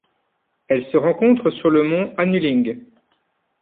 Elle se rencontre sur le mont Anuling.